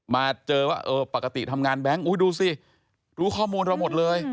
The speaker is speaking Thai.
มาเจอว่าเออปกติทำงานแบงค์ดูสิรู้ข้อมูลเราหมดเลย